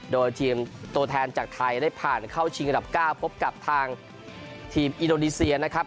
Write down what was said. โดยทีมตัวแทนจากไทยได้ผ่านเข้าชิงอันดับ๙พบกับทางทีมอินโดนีเซียนะครับ